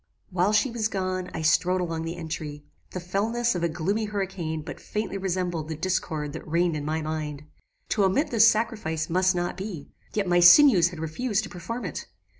"While she was gone, I strode along the entry. The fellness of a gloomy hurricane but faintly resembled the discord that reigned in my mind. To omit this sacrifice must not be; yet my sinews had refused to perform it.